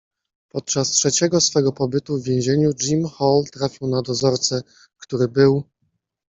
Podczas trzeciego swego pobytu w więzieniu, Jim Hall trafił na dozorcę, który był